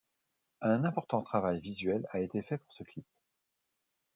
Un important travail visuel a été fait pour ce clip.